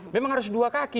memang harus dua kaki